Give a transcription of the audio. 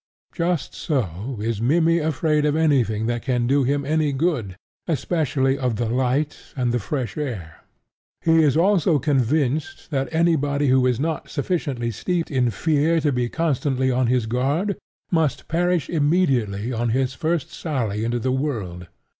Just so is Mimmy afraid of anything that can do him any good, especially of the light and the fresh air. He is also convinced that anybody who is not sufficiently steeped in fear to be constantly on his guard, must perish immediately on his first sally into the world.